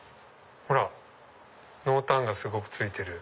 ほら濃淡がすごくついてる。